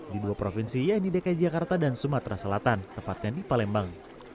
di dua provinsi yaitu dki jakarta dan sumatera selatan tepatnya di palembang